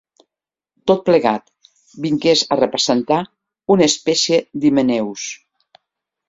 Tot plegat vingués a representar una espècie d'Himeneus